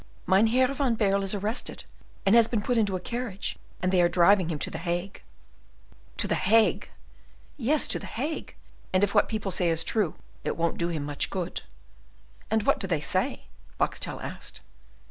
"Mynheer van Baerle is arrested, and has been put into a carriage, and they are driving him to the Hague." "To the Hague!" "Yes, to the Hague, and if what people say is true, it won't do him much good." "And what do they say?" Boxtel asked.